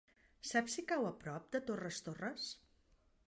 Saps si cau a prop de Torres Torres?